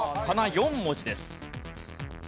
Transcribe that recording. ４文字です。